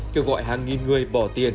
kêu gọi hàng nghìn người bỏ tiền